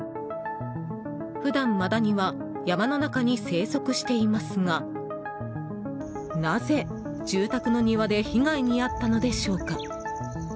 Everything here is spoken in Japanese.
普段、マダニは山の中に生息していますがなぜ、住宅の庭で被害に遭ったのでしょうか。